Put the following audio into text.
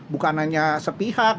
bukan hanya sepihak